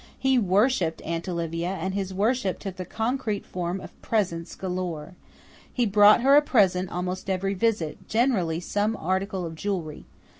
He worshipped Aunt Olivia, and his worship took the concrete form of presents galore. He brought her a present almost every visit generally some article of jewelry.